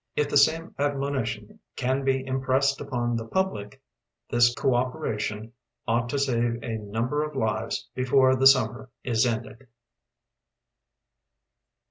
If the same admoni tion can be Impressed upon the public, this cooperation ought to save a number of lives before the summer is ended".